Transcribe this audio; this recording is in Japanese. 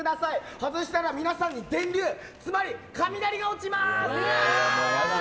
外したら、皆さんに電流、つまり雷が落ちます！